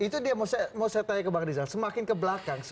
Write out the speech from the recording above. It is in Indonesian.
itu dia mau saya tanya ke bang rizal semakin ke belakang